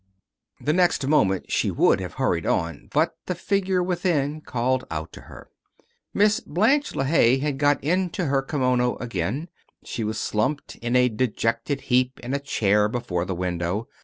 The next moment she would have hurried on, but the figure within called out to her. Miss Blanche LeHaye had got into her kimono again. She was slumped in a dejected heap in a chair before the window.